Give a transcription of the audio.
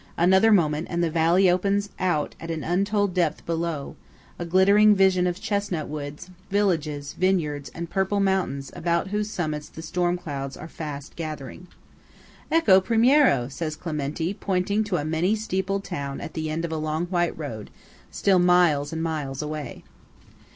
Another moment, and the valley opens out at an untold depth below–a glittering vision of chesnut woods, villages, vineyards, and purple mountains about whose summits the storm clouds are fast gathering. "Ecco Primiero!" says Clementi, pointing to a many steepled town at the end of a long white road, still miles and miles away.